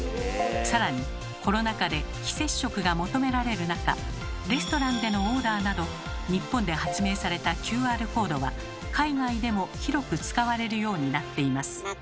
さらにコロナ禍で非接触が求められる中レストランでのオーダーなど日本で発明されたＱＲコードは海外でも広く使われるようになっています。